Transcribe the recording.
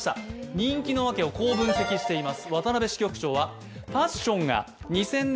人気のワケをこう分析しています。